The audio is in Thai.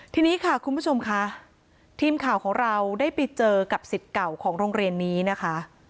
ทีนี้ค่ะคุณผู้ชมค่ะทีมข่าวของเราได้ไปเจอกับสิทธิ์เก่าของโรงเรียนนี้นะคะ